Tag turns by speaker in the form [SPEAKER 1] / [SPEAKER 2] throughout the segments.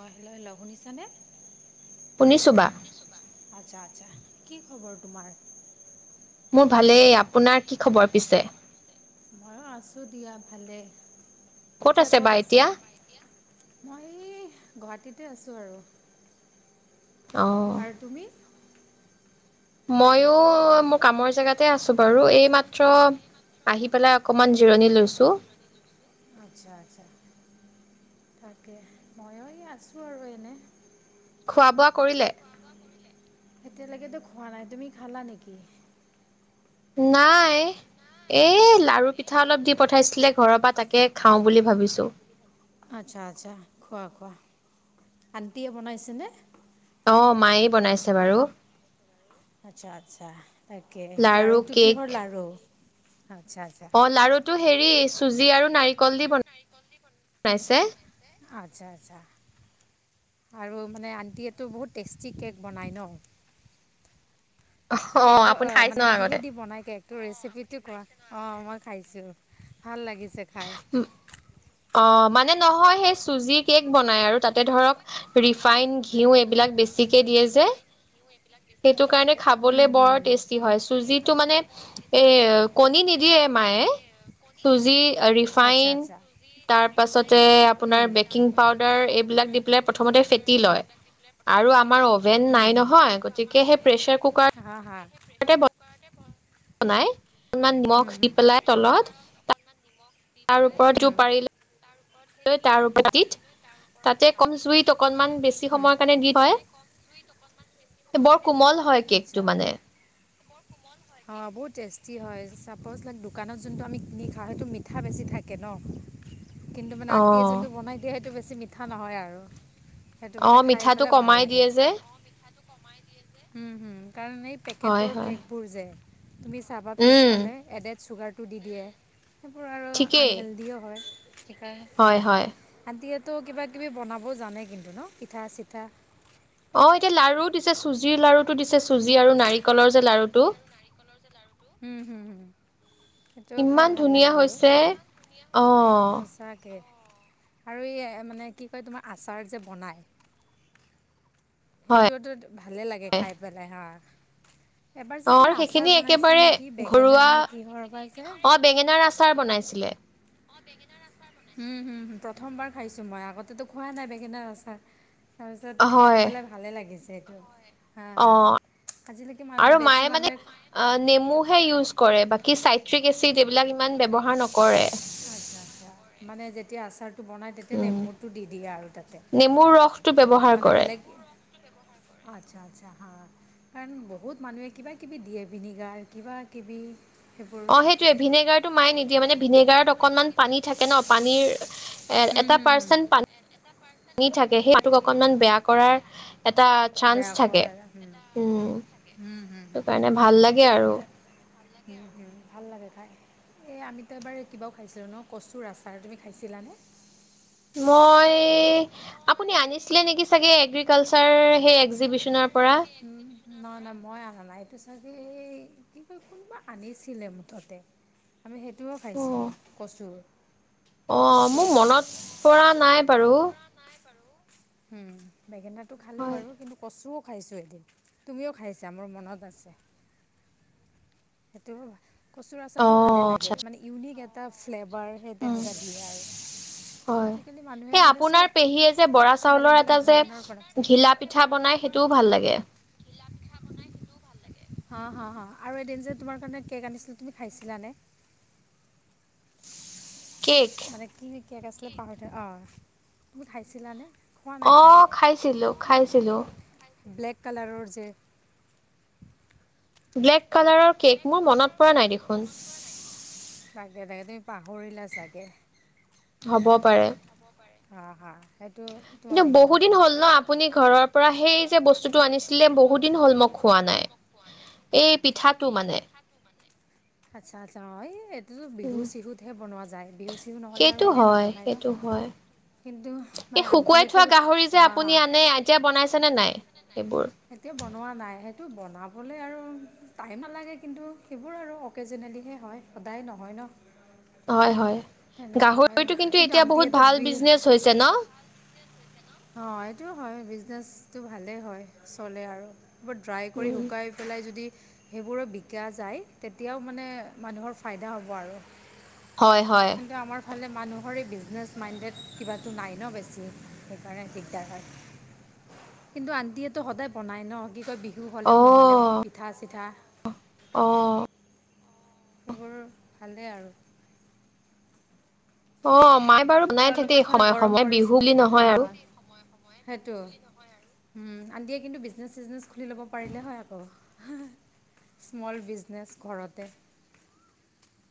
[SPEAKER 1] অঁ', হেল্ল'-হেল্ল' শুনিছা নে?
[SPEAKER 2] শুনিছো বা।
[SPEAKER 1] আচ্ছা-আচছা। কি খবৰ তোমাৰ?
[SPEAKER 2] মোৰ ভালেই। আপোনাৰ কি খবৰ পিছে?
[SPEAKER 1] ময়ও আছো দিয়া ভালে। এতিয়া
[SPEAKER 2] আছে বা
[SPEAKER 1] ক'ত আছা?
[SPEAKER 2] এতিয়া
[SPEAKER 1] মই এই গুৱাহাটীতে আছোঁ আৰু।
[SPEAKER 2] অ'
[SPEAKER 1] আৰু তুমি?
[SPEAKER 2] মইও মোৰ কামৰ জেগাতে আছো বাৰু এই মাত্ৰ- আহি পেলাই অকণমান জিৰণি লৈছো।
[SPEAKER 1] আচ্ছা-আচ্ছা তাকে, মইও আছো আৰু এনেই।
[SPEAKER 2] খোৱা-বোৱা কৰিলে?
[SPEAKER 1] এতিয়ালৈকেতো খোৱা নাই। তুমি খালা নেকি?
[SPEAKER 2] নাই। এই লাৰু পিঠা অলপ দি পঠাইছিলে ঘৰৰ পৰা তাকে খাওঁ বুলি ভাবিছো।
[SPEAKER 1] আচ্ছা-আচ্ছা, খোৱা-খোৱা। আনটিয়ে বনাইছে নে?
[SPEAKER 2] অঁ', মায়ে বনাইছে বাৰু।
[SPEAKER 1] আচ্ছা'-আচ্ছা' তাকে।
[SPEAKER 2] লাৰু
[SPEAKER 1] লাৰুটো
[SPEAKER 2] কেক
[SPEAKER 1] কিহৰ লাৰু? আচ্ছা'-আচ্ছা'।
[SPEAKER 2] অঁ' লাৰুটো হেৰি চুজি আৰু নাৰিকল দি ব-বনাইছে।
[SPEAKER 1] আচ্ছা'-আচ্ছা'। আৰু মানে আণ্টিয়েতো বহুত টেষ্টি কেক বনায় ন'। কেক
[SPEAKER 2] আপুনি
[SPEAKER 1] অ',
[SPEAKER 2] খাইছে ন
[SPEAKER 1] মানে কি'হে দি
[SPEAKER 2] আগতে
[SPEAKER 1] বনাই কেক? তোৰ ৰেচিপিটো কোৱা? অঁ' মই খাইছোঁ ভাল লাগিছে খাই।
[SPEAKER 2] অঁ', মানে নহয় সেই চুজি কেক বনাই আৰু, তা'তে ধৰক- ৰিফাইন ঘিউ এইবিলাক বেছিকে দিয়ে যে সেইটো কাৰণে
[SPEAKER 1] হুম,
[SPEAKER 2] খাবলৈ
[SPEAKER 1] হুম,
[SPEAKER 2] বৰ
[SPEAKER 1] হুম।
[SPEAKER 2] টেষ্টি- হয়। চুজিতো মানে কণি নিদিয়ে মায়ে চুজি -
[SPEAKER 1] আচ্ছা
[SPEAKER 2] ৰিফাইন
[SPEAKER 1] আচ্ছা
[SPEAKER 2] তাৰ পাছতে
[SPEAKER 1] উম
[SPEAKER 2] আপোনাৰ বেকিং পাউদাৰ এইবিলাক দি- প্ৰথমতে ফেতি লয়, আৰু আমাৰ অভেন নাই নহয় গতিকে সেই প্ৰেছাৰ কুকাৰ
[SPEAKER 1] হা'-হা'।
[SPEAKER 2] তা'তে ব- নাই, অকণমান নিমখ দি পেলাই তলত- তাৰ ওপৰত পাৰিলে ত তাৰ পিত তাতে কম জুইত অকনমান বেছি সময়ৰ কাৰণে দি থয়। এ বৰ কোমল হয়
[SPEAKER 1] আচ্ছা
[SPEAKER 2] কেকটো মানে।
[SPEAKER 1] অঁ বহুত টেষ্টি হয়। ছাপ'জ লাইক দোকানত যোনটো আমি কিনি খাওঁ, সেইটো মিঠা বেছি থাকে ন। কিন্তু, মানে আণ্টিয়ে
[SPEAKER 2] অ',
[SPEAKER 1] যোনটো বনাই দিয়ে সেইটো বেছি মিঠা নহয় আৰু। সেইটো মানে
[SPEAKER 2] অ',
[SPEAKER 1] খাই
[SPEAKER 2] মিঠাটো
[SPEAKER 1] পেলাই ভাল
[SPEAKER 2] কমাই
[SPEAKER 1] লাগে।
[SPEAKER 2] দিয়ে যে
[SPEAKER 1] উম' হুম' কাৰণ এই
[SPEAKER 2] হয়,
[SPEAKER 1] পেকেটৰ
[SPEAKER 2] হয়
[SPEAKER 1] কেক বোৰ যে তুমি চাবা পিছ-
[SPEAKER 2] উম,
[SPEAKER 1] এডেড চুগাৰটো দি দিয়ে, সেইবোৰ আৰু
[SPEAKER 2] ঠিকেই
[SPEAKER 1] আনহেল্ডিও হয়। সেইকাৰণে হাঁ
[SPEAKER 2] হয়,
[SPEAKER 1] হাঁ
[SPEAKER 2] হয়
[SPEAKER 1] আন্টিয়েতো কিবা কিবি বনাবও জানে কিন্তু ন, পিঠা চিঠা।
[SPEAKER 2] অঁ এতিয়া লাৰুও দিছে চুজিৰ লাৰুটো দিছে চুজি আৰু নাৰিকলৰ যে লাৰুটো।
[SPEAKER 1] উম' হুম হুম। সেইটো খাই
[SPEAKER 2] ইমান
[SPEAKER 1] ভাল
[SPEAKER 2] ধুনীয়া
[SPEAKER 1] লাগে বাৰু,
[SPEAKER 2] হৈছে
[SPEAKER 1] ইমান ধুনীয়া
[SPEAKER 2] অ',
[SPEAKER 1] হৈছে। তাকে আৰু এই মানে কি কয় তোমাৰ আচাৰ যে বনায়, -
[SPEAKER 2] হয়
[SPEAKER 1] সেইটোতো ভালে লাগে খাই পেলাই হাঁ। এবাৰ যে
[SPEAKER 2] অ', আৰু
[SPEAKER 1] কিবা আচাৰ
[SPEAKER 2] সেইখিনি
[SPEAKER 1] বনাইছিলে
[SPEAKER 2] একেবাৰে
[SPEAKER 1] নেকি, বেঙেনা
[SPEAKER 2] ঘৰুৱা
[SPEAKER 1] নে কিহৰ পৰা যে?
[SPEAKER 2] অ', বেঙেনাৰ আচ- চাৰ বনাইছিলে।
[SPEAKER 1] হুম হুম হুম, প্ৰথমবাৰ খাইছোঁ মই আগতেতো খোৱা নাই বেঙেনাৰ আচাৰ। তাৰপিছত খাই
[SPEAKER 2] হয়
[SPEAKER 1] পেলাই ভালে লাগিছে এইটো। হাঁ হাঁ
[SPEAKER 2] অ',
[SPEAKER 1] আজিলৈকে মানে বেছি মানুহে-
[SPEAKER 2] অঁ নেমুহে ইউজ কৰে, বাকী চাইট্ৰিক এচিড এইবিলাক ইমান ব্যৱহাৰ নকৰে।
[SPEAKER 1] আৎচ্ছা আৎচ্ছা, মানে যেতিয়া আচাৰটো বনায়- তেতিয়া
[SPEAKER 2] উম,
[SPEAKER 1] নেমুটো দি দিয়ে আৰু তাতে,
[SPEAKER 2] নেমুৰ ৰসটো ব্যৱহাৰ
[SPEAKER 1] মানে
[SPEAKER 2] কৰে
[SPEAKER 1] বেলেগ- অঁ আৎচ্ছা আৎচ্ছা হাঁ। কাৰণ বহুত মানুহে কিবাকিবি দিয়ে ভিনেগাৰ কিবাকিবি।
[SPEAKER 2] অঁ সেইটোৱে ভিনেগাৰটো মায়ে নিদিয়ে মানে ভিনেগাৰত অকনমান পানী থাকে ন পানীৰ- এ
[SPEAKER 1] হুম পানীৰ
[SPEAKER 2] এটা
[SPEAKER 1] হুম হুম।
[SPEAKER 2] পাৰ্চেন্ট পানী থাকে, সেইটো অকনমান বেয়া কৰাৰ- এটা
[SPEAKER 1] বেয়া বেয়া
[SPEAKER 2] চান্স থাকে,
[SPEAKER 1] কৰাৰ কৰাৰ হুম এটা
[SPEAKER 2] উম'।
[SPEAKER 1] চান্স থাকে। হুম হুম
[SPEAKER 2] সেইটো কাৰণে ভাল লাগে আৰু।
[SPEAKER 1] উম হুম, ভাল লাগে খাই। এই আমিতো এবাৰ কিবাও খাইছিলোঁ ন কচুৰ আচাৰ, তুমি খাইছিলানে?
[SPEAKER 2] মই আপুনি আনিছিলে নেকি চাগে এগ্ৰিকালচাৰ সেই এ-
[SPEAKER 1] এগ্ৰিকালচাৰ সেই এগ- উম' না না মই অনা নাই। এইটো চাগে এই কি কয় কোনোবা আনিছিলে মুঠতে। আমি সেইটোও খাইছিলোঁ কচুৰ।
[SPEAKER 2] অঁ
[SPEAKER 1] কচুৰ
[SPEAKER 2] মোৰ
[SPEAKER 1] আচাৰ।
[SPEAKER 2] মনত
[SPEAKER 1] অঁ
[SPEAKER 2] পৰা নাই বাৰু।
[SPEAKER 1] উম বেঙেনাটো খালো
[SPEAKER 2] হয়
[SPEAKER 1] বাৰু কিন্তু- কচুও খাইছোঁ এদিন, তুমিও খাইছা মোৰ মনত আছে। সেইটো কচুৰ
[SPEAKER 2] অ
[SPEAKER 1] আচাৰটো ভালে লাগে।
[SPEAKER 2] আচ্ছা
[SPEAKER 1] মানে ইউনিক এটা ফ্লেভাৰ সেই
[SPEAKER 2] উম
[SPEAKER 1] তেনেকুৱা দিয়ে আৰু।
[SPEAKER 2] হয়,
[SPEAKER 1] আজিকালি মানুহে
[SPEAKER 2] এই
[SPEAKER 1] মানে চব
[SPEAKER 2] আপোনাৰ পেহীয়ে যে বৰা
[SPEAKER 1] বেলেগ
[SPEAKER 2] চাউলৰ
[SPEAKER 1] বেলেগ
[SPEAKER 2] এটা
[SPEAKER 1] ধৰণৰ বনাইছে।
[SPEAKER 2] যে ঘিলা- পিঠা বনাই সেইটোও ভাল লাগে।
[SPEAKER 1] ঘিলা পিঠা বনাই সেইটোও ভাল লাগে। হাঁ হাঁ আৰু এদিন যে- তোমাৰ কাৰণে কেক আনিছিলো, তুমি খাইছিলানে?
[SPEAKER 2] কেক।
[SPEAKER 1] মানে কি কেক আছিলে পাহৰি থ অঁ তুমি খাইছিলানে? খোৱা নাই
[SPEAKER 2] অ
[SPEAKER 1] চাগে।
[SPEAKER 2] খাইছিলো
[SPEAKER 1] অঁ
[SPEAKER 2] খাইছিলো।
[SPEAKER 1] ব্লেক কালাৰৰ যে।
[SPEAKER 2] ব্লেক কালাৰৰ কেক মোৰ মনত পৰা নাই দেখোন।
[SPEAKER 1] তাকে তাকে, তুমি পাহৰিলা চাগে।
[SPEAKER 2] হ'ব পাৰে।
[SPEAKER 1] হব পাৰে। হা হা সেইটো তোমাৰ
[SPEAKER 2] কিন্তু বহু
[SPEAKER 1] মনত
[SPEAKER 2] দিন
[SPEAKER 1] নাই।
[SPEAKER 2] হ'ল ন আপুনি ঘৰৰ পৰা সেই যে বস্তুটো আনিছিলে বহু দিন হ'ল মই খোৱা নাই। এই পিঠাটো
[SPEAKER 1] এই
[SPEAKER 2] মানে,
[SPEAKER 1] পিঠাটো। আচ্ছা আচ্ছা এই বিহু চিহুতহে বনোৱা যায় বিহু চিহু নহ'লে আৰু
[SPEAKER 2] সেইটো
[SPEAKER 1] এনেই
[SPEAKER 2] হয়,
[SPEAKER 1] নবনায় ন।
[SPEAKER 2] সেইটো হয়।
[SPEAKER 1] কিন্তু
[SPEAKER 2] এই
[SPEAKER 1] মানে
[SPEAKER 2] শুকুৱাই
[SPEAKER 1] আন্টিয়েটো
[SPEAKER 2] থোৱা গাহৰি যে
[SPEAKER 1] হা হা।
[SPEAKER 2] আপুনি আনে এতিয়া বনাইছেনে নাই সেইবোৰ?
[SPEAKER 1] এতিয়া বনোৱা নাই সেইটো বনাবলৈ আৰু টাইম নালাগে কিন্তু সেইবোৰ আৰু অকেজেনেলিহে হয় সদায় নহয় ন।
[SPEAKER 2] হয় হয়,
[SPEAKER 1] তেনেকুৱা আৰু
[SPEAKER 2] গাহৰিটো কিন্তু এতিয়া বহুত
[SPEAKER 1] আন্টিয়েতো
[SPEAKER 2] ভাল
[SPEAKER 1] বি
[SPEAKER 2] বিজনেচ হৈছে ন?
[SPEAKER 1] অ এইটো হয় বিজনেচটো ভালেই হয় চলে আৰু ব ড্ৰাই কৰি শুকাই পেলাই যদি সেইবোৰৰ বিকা যায় তেতিয়াও মানে মানুহৰ ফাইদা হ'ব আৰু।
[SPEAKER 2] হয় হয়।
[SPEAKER 1] কিন্তু আমাৰ ফালে মানুহৰ এই বিজনেছ মাইণ্ডেড কিবাটো নাই ন বেছি। তাৰে শিকাই, কিন্তু আন্টিয়টো সদায় বনাই ন হি ত বি বিহু হ'লেও নহ'লেও
[SPEAKER 2] অ',
[SPEAKER 1] পিঠা চিঠা।
[SPEAKER 2] অ।
[SPEAKER 1] সেইবোৰ ভালেই আৰু।
[SPEAKER 2] অ মাই
[SPEAKER 1] তোমালোকৰ ফালে গৰম পৰিছে, সা
[SPEAKER 2] নহয় আৰু।
[SPEAKER 1] সেইটো উম আনটিয়ে কিন্তু বিজনেচ চিজনে খুলি ল'ব পাৰিলে হয় আকৌ স্মল বিজনেছ ঘৰতে।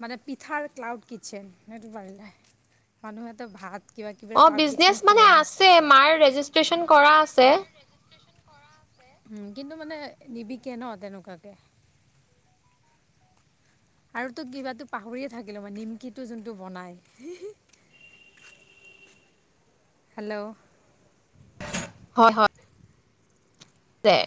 [SPEAKER 1] মানে পিথাৰ ক্লাউড কিটছেন সেইটো পাৰিলে। মানুহতো ভাত কিবা কিবাৰ
[SPEAKER 2] অ',
[SPEAKER 1] ক্লাউড
[SPEAKER 2] বিজনেচ
[SPEAKER 1] কিটচেন
[SPEAKER 2] মানে
[SPEAKER 1] খোলে ন।
[SPEAKER 2] আছে মাৰ ৰেজিষ্ট্ৰেশ্যন কৰা আছে।
[SPEAKER 1] উম কিন্তু মানে নিবিকে ন তেনেকুৱাকে। আৰু তো কিবাতো পাহৰিয়ে থাকিলে মানে নিমকিটো যোনটো বনাই। হেল্ল
[SPEAKER 2] হয় হয়, চে